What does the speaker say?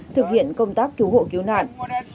thực hiện công tác cứu hộ cứu nạn